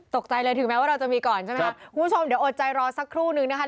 ตกใจเลยถึงแม้ว่าเราจะมีก่อนใช่ไหมคะคุณผู้ชมเดี๋ยวอดใจรอสักครู่นึงนะคะ